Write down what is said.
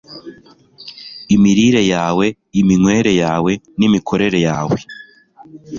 imirire yawe, iminywere yawe, n'imikorere yawe